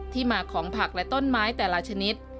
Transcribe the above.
ที่มาของผักและต้นไม้แต่ละชนิด